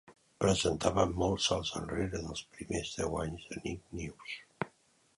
Presentava molts salts enrere dels primers deu anys de "Nick News".